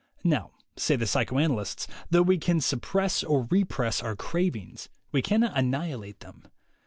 Now, say the psychoanalysts, though we can sup press or repress our cravings, we cannot annihilate them.